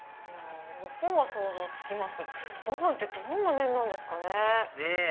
フォーは想像つきますけどボブンってどんな麺ですかね。ねぇ！